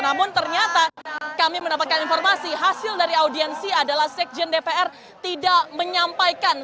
namun ternyata kami mendapatkan informasi hasil dari audiensi adalah sekjen dpr tidak menyampaikan